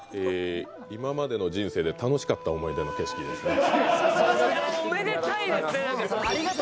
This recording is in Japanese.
今までの人生で楽しかった思い出の景色です。